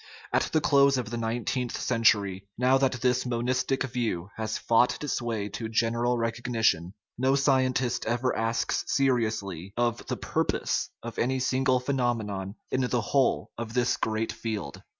At the close of the nineteenth century, now that this monistic view has fought its way to general recognition, no scientist ever asks seriously of the " purpose " of any single phenomenon in the whole of this great field.